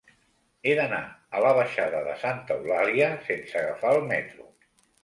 He d'anar a la baixada de Santa Eulàlia sense agafar el metro.